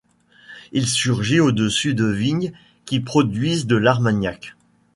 Il surgit au-dessus de vignes qui produisent de l'armagnac.